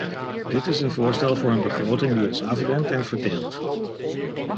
Dit is een voorstel voor een begroting die ons afremt en verdeelt.